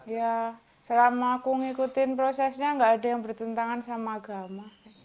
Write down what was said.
ya selama aku ngikutin prosesnya gak ada yang bertentangan sama agama